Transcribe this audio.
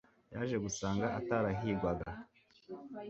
yaje gusanga atarahigwaga